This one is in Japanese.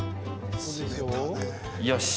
よし！